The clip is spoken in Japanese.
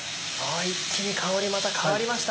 一気に香りまた変わりましたね。